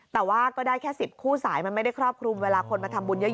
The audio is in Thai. แต่ว่าก็ได้แค่๑๐คู่สายมันไม่ได้ครอบคลุมเวลาคนมาทำบุญเยอะ